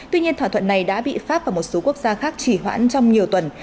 tuy nhiên thỏa thuận này đã bị pháp và một số quốc gia khác chỉ hoãn trong nhiều tuần